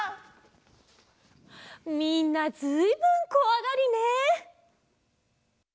みんなずいぶんこわがりね。